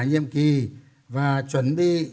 nhiệm kỳ và chuẩn bị